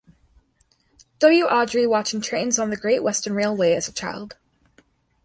W. Awdry watching trains on the Great Western Railway as a child.